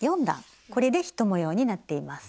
これで１模様になっています。